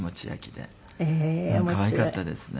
でも可愛かったですね。